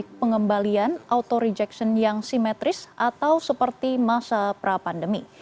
untuk pengembalian auto rejection yang simetris atau seperti masa pra pandemi